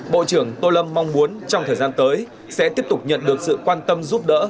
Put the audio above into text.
bộ trưởng tô lâm mong muốn trong thời gian tới sẽ tiếp tục nhận được sự quan tâm giúp đỡ